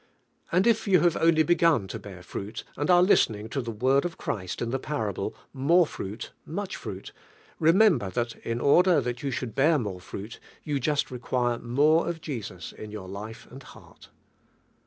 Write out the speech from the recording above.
And if you have only begun to bear fruit, and lire listening to the word of Christ in the parable, "more fruit," "much fruit/* re member thai in order that you should bear more fruit: you just require more of ii'sus in your life and heart.